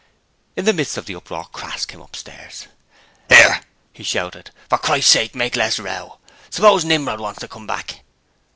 In the midst of the uproar Crass came upstairs. ''Ere!' he shouted. 'For Christ's sake make less row! Suppose Nimrod was to come back!'